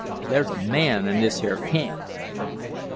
There's a MAN in this here camp!"